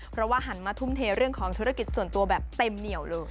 เพราะว่าหันมาทุ่มเทเรื่องของธุรกิจส่วนตัวแบบเต็มเหนียวเลย